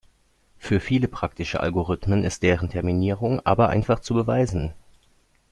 Für viele praktische Algorithmen ist deren Terminierung aber einfach zu beweisen.